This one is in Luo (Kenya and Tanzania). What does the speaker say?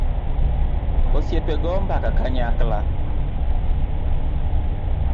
Osiepe go mbaka kanayakla